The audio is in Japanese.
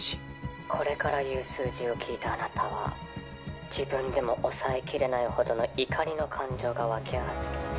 これから言う数字を聞いたあなたは自分でも抑えきれないほどの怒りの感情が沸き上がってきます。